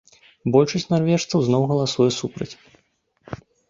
Большасць нарвежцаў зноў галасуе супраць.